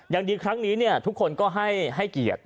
อย่างดีครั้งนี้ทุกคนก็ให้เกียรติ